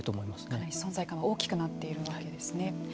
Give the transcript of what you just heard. かなり存在感が大きくなっているわけですね。